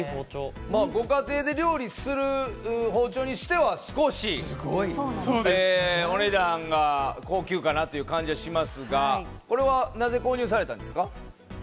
ご家庭で料理する包丁にしては少しお値段が高級かなっていう感じがしますが、これはなぜ購入されたんですか？